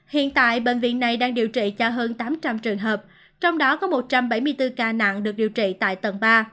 hiện tại bệnh viện này đang điều trị cho hơn tám trăm linh trường hợp trong đó có một trăm bảy mươi bốn ca nặng được điều trị tại tầng ba